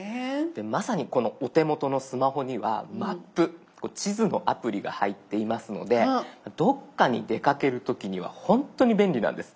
まさにこのお手元のスマホには「マップ」地図のアプリが入っていますのでどっかに出かける時にはほんとに便利なんです。